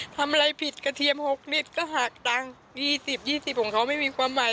ทำอะไรผิดกระเทียม๖ลิตรก็หักตังค์๒๐๒๐ของเขาไม่มีความหมาย